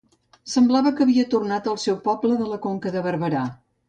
Semblava que havia tornat al seu poble de la Conca de Barberà.